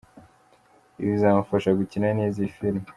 Ibi bizamufasha gukina neza iyi filime.